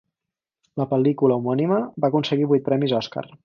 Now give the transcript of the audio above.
La pel·lícula homònima va aconseguir vuit premis Oscar.